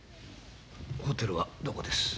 ホテルはどこです？